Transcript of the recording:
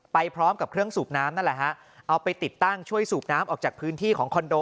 ไปพร้อมกับเครื่องสูบน้ำนั่นแหละฮะเอาไปติดตั้งช่วยสูบน้ำออกจากพื้นที่ของคอนโด